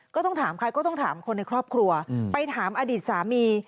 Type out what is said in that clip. ก็ต้องถามใครก็ต้องถามคนในครอบครัวไปถามอดีตสามี